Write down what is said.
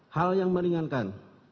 hal yang meringankan